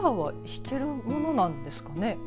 ギターは弾けるものなんですかね。